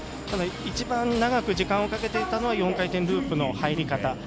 ただ、一番長く時間をかけていたのは４回転ループの入り方。